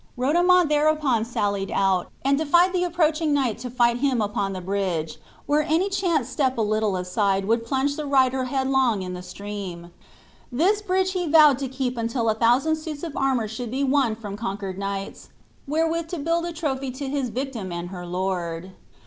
Rodomont thereupon sallied out, and defied the approaching knight to fight him upon the bridge, where any chance step a little aside would plunge the rider headlong in the stream. This bridge he vowed to keep until a thousand suits of armor should be won from conquered knights, wherewith to build a trophy to his victim and her lord.